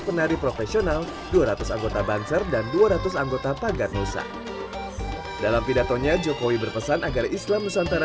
ini kita lihat apa yang kita lihat malam ini adalah apa yang tadi baru saja saya sampaikan